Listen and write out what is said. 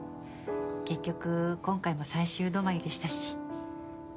結局、今回も最終止まりでしたし。